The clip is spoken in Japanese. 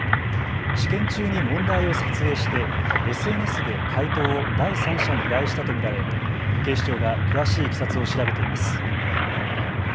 試験中に問題を撮影してＳＮＳで解答を第三者に依頼したと見られ警視庁が詳しいいきさつを調べています。